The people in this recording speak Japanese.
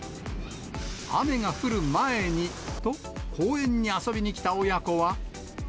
雨が降る前にと公園に遊びに来た親子は。